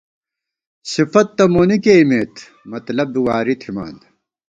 صفت تہ مونی کېئیمېت ، مطلب بی واری تھِمان